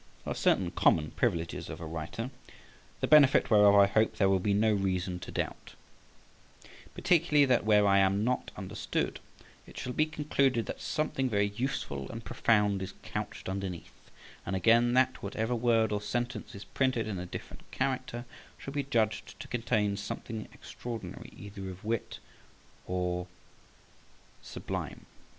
There are certain common privileges of a writer, the benefit whereof I hope there will be no reason to doubt; particularly, that where I am not understood, it shall be concluded that something very useful and profound is couched underneath; and again, that whatever word or sentence is printed in a different character shall be judged to contain something extraordinary either of wit or sublime.